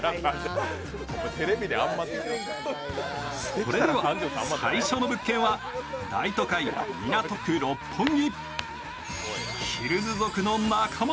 それでは、最初の物件は大都会・港区六本木。